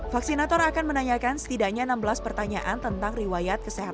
vaksinator akan menanyakan setidaknya enam belas pertanyaan tentang riwayat kesehatan